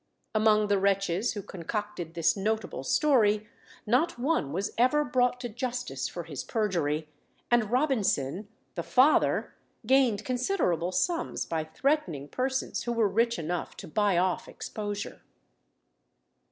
Among the wretches who concocted this notable story, not one was ever brought to justice for his perjury; and Robinson, the father, gained considerable sums by threatening persons who were rich enough to buy off exposure.